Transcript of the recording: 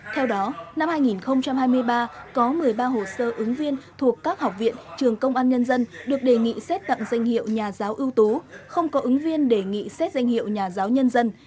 theo đó năm hai nghìn hai mươi ba có một mươi ba hồ sơ ứng viên thuộc các học viện trường công an nhân dân được đề nghị xét tặng danh hiệu nhà giáo ưu tú không có ứng viên đề nghị xét danh hiệu nhà giáo nhân dân